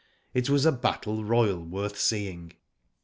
It was a battle royal worth seeing.